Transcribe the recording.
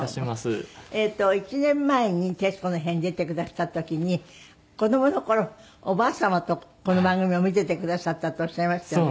えっと１年前に『徹子の部屋』に出てくだすった時に子どもの頃おばあ様とこの番組を見ててくださったとおっしゃいましたよね。